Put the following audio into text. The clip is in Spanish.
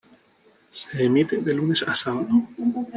Se emite de lunes a sábado.